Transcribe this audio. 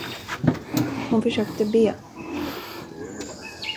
Hon försökte be.